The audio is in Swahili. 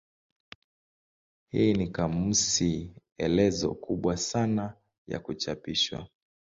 Hii ni kamusi elezo kubwa sana ya kuchapishwa.